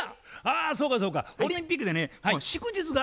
あそうかそうかオリンピックでね祝日が移動して。